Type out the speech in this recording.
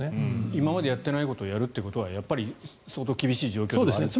今までやっていないことをやるというのはやっぱり相当厳しい状況にあるという。